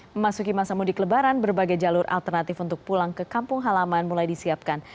memasuki masa mudik lebaran berbagai jalur alternatif untuk pulang ke kampung halaman mulai disiapkan